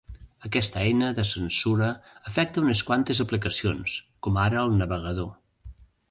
Aquesta eina de censura afecta unes quantes aplicacions, com ara el navegador.